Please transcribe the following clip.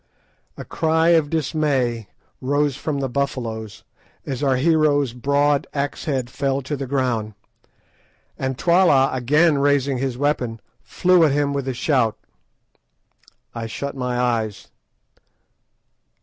A cry of dismay rose from the Buffaloes as our hero's broad axe head fell to the ground; and Twala, again raising his weapon, flew at him with a shout. I shut my eyes.